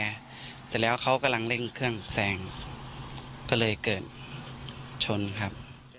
เสร็จแล้วเขากำลังเร่งเครื่องแซงก็เลยเกิดชนครับ